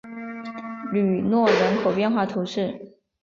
吕诺人口变化图示